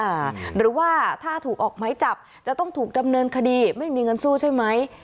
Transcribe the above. หรือว่าถ้าถูกออกไม้จับจะต้องถูกดำเนินคดีไม่มีเงินสู้ใช่ไหม